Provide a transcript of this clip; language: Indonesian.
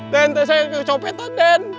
den terserah di copetan den